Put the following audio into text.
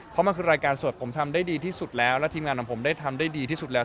เพราะมันคือรายการสดผมทำได้ดีที่สุดแล้วและทีมงานของผมได้ทำได้ดีที่สุดแล้ว